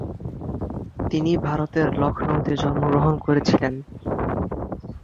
তিনি ভারতের লখনউতে জন্মগ্রহণ করেছিলেন।